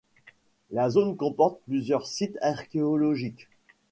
La zone comporte plusieurs sites archéologiques.